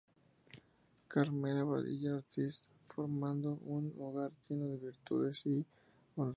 Carmela Padilla Ortiz, formando un hogar lleno de virtudes y honorabilidad.